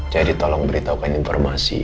jadi tolong beritahukan informasi